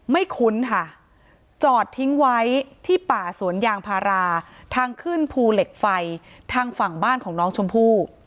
คุ้นค่ะจอดทิ้งไว้ที่ป่าสวนยางพาราทางขึ้นภูเหล็กไฟทางฝั่งบ้านของน้องชมพู่